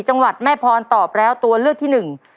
จังหวัดแม่พรตอบแล้วตัวเลือกที่หนึ่ง